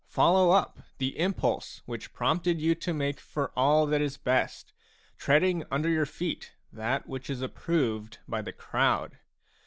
Follow up the impulse which prompted you to make for all that is best, treading under your feet that which is approved by the crowd.